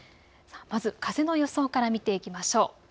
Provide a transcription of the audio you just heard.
まず風の予想から見ていきましょう。